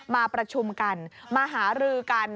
มาประชุมกันมาหารือกัน